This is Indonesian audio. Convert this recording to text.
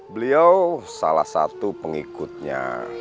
beliau salah satu pengikutnya